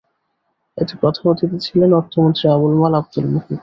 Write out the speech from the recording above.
এতে প্রধান অতিথি ছিলেন অর্থমন্ত্রী আবুল মাল আবদুল মুহিত।